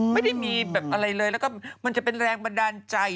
ไม่ได้มีแบบอะไรเลยแล้วก็มันจะเป็นแรงบันดาลใจ